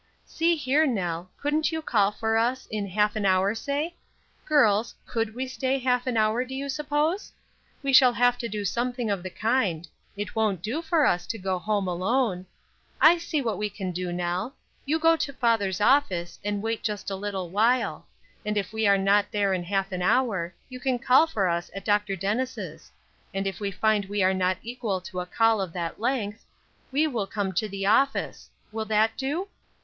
"See here, Nell, couldn't you call for us, in half an hour, say? Girls, could we stay half an hour, do you suppose? We shall have to do something of the kind; it won't do for us to go home alone. I see what we can do, Nell. You go to father's office, and wait just a little while; if we are not there in half an hour, you can call for us at Dr. Dennis'; and if we find we are not equal to a call of that length, we will come to the office; will that do?"